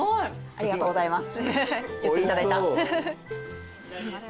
ありがとうございます。